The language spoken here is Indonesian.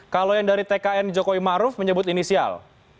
kalau yang dari tkn jokowi maruf menyebut inisial